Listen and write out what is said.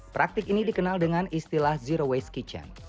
praktik ini dikenal dengan istilah zero waste kitchen